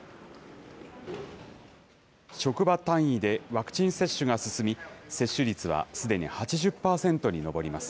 職場単位でワクチン接種が進み、接種率はすでに８０％に上ります。